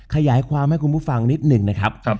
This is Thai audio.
ขยายความให้คุณผู้ฟังนิดหนึ่งนะครับ